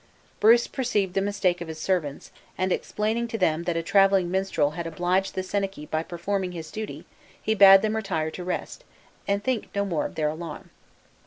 Bruce perceived the mistake of his servants, and explaining to them that a traveling minstrel had obliged the senachie by performing his duty, he bade them retire to rest, and think no more of their alarm.